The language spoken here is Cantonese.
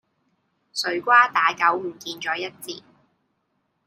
水瓜打狗唔見咗一截